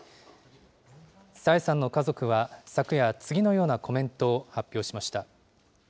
朝芽さんの家族は昨夜、次のようなコメントを発表しました。